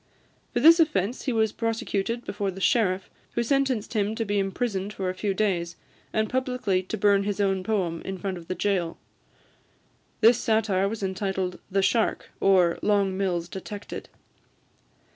For this offence he was prosecuted before the sheriff, who sentenced him to be imprisoned for a few days, and publicly to burn his own poem in the front of the jail. This satire is entitled "The Shark; or, Long Mills detected."